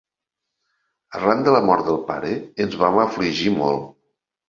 Arran de la mort del pare ens vam afligir molt.